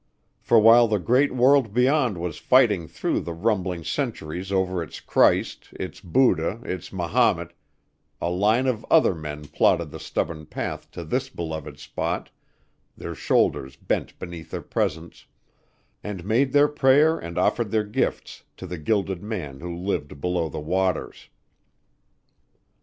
For while the great world beyond was fighting through the rumbling centuries over its Christ, its Buddha, its Mahomet, a line of other men plodded the stubborn path to this beloved spot, their shoulders bent beneath their presents, and made their prayer and offered their gifts to the Gilded Man who lived below the waters.